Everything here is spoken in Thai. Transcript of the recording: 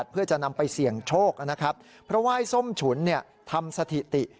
เพื่อจะนำไปเสี่ยงโชคนะครับเพราะว่าไอ้ส้มฉุนทำสถิติ